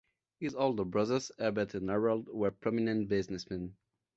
His older brothers, Herbert and Harold, were prominent businessmen.